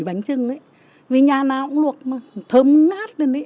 đi qua phố mà thì cái mùi bánh trưng ấy vì nhà nào cũng luộc mà thơm ngát lên ấy